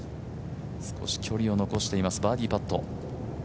少し距離を残していますバーディーパット。